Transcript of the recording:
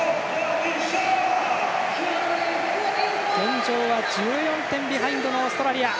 現状は１４点ビハインドのオーストラリア。